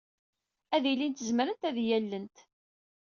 Ad ilint zemrent ad iyi-allent.